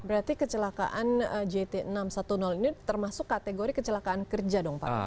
berarti kecelakaan jt enam ratus sepuluh ini termasuk kategori kecelakaan kerja dong pak